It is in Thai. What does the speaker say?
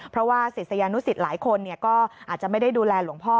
เพราะว่าศิษยานุสิตหลายคนก็อาจจะไม่ได้ดูแลหลวงพ่อ